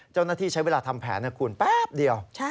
เจ้าหน้าที่ใช้เวลาทำแผนนะคุณแป๊บเดียว